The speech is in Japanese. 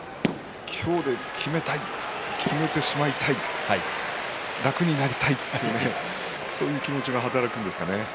今日で決めたい、今日で決めてしまいたい楽になりたいそういう気持ちが働くんですかね。